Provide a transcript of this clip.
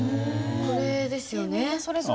これですよね。